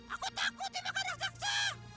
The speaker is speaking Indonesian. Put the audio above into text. aku takut dimakan raksasa